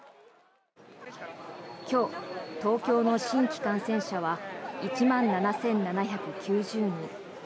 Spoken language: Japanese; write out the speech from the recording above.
今日、東京の新規感染者は１万７７９０人。